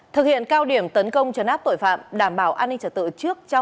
thực hiện cao điểm tấn công cho nát tội phạm đảm bảo an ninh trả tựa trước